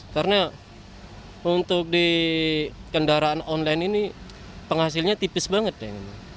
karena untuk di kendaraan online ini penghasilnya tipis banget ya